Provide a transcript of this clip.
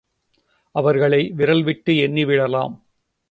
அவர்களை விரல்விட்டு எண்ணிவிடலாம்.